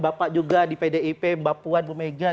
bapak juga di pdip mbak puan bu mega